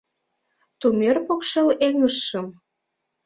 Тумер покшел эҥыжшым